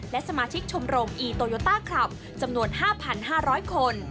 และสมาชิกชมรมอีโตโยต้าคลับจำนวน๕๕๐๐คน